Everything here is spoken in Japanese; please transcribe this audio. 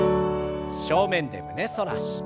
正面で胸反らし。